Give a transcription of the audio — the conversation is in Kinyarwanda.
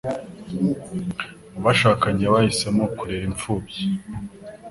Abashakanye bahisemo kurera imfubyi.